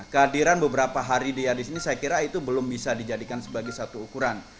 kehadiran beberapa hari dia di sini saya kira itu belum bisa dijadikan sebagai satu ukuran